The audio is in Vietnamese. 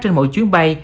trên mỗi chuyến bay